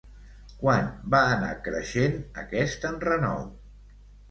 Quan va anar creixent aquest enrenou?